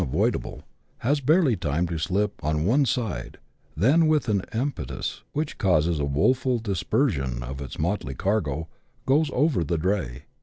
avoidable, has barely time to slip on one side, when, with an impetus wliich causes a woful dispersion of its motley cargo, over goes the dray.